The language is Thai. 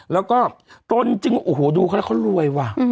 แล้วก็ตนจึงโอ้โหดูเขาแล้วเขารวยว่ะ